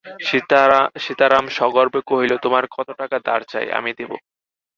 সীতারাম সগর্বে কহিল, তোমার কত টাকা ধার চাই, আমি দিব।